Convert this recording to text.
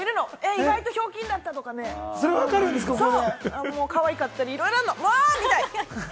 意外にひょうきんだったとかね、かわいかったり、いろいろあるの。